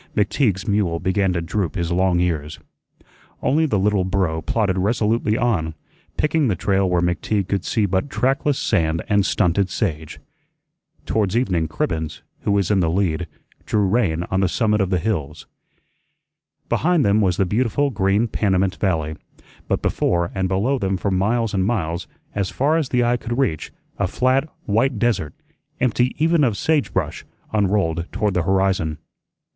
McTeague's mule began to droop his long ears. Only the little burro plodded resolutely on, picking the trail where McTeague could see but trackless sand and stunted sage. Towards evening Cribbens, who was in the lead, drew rein on the summit of the hills. Behind them was the beautiful green Panamint Valley, but before and below them for miles and miles, as far as the eye could reach, a flat, white desert, empty even of sage brush, unrolled toward the horizon.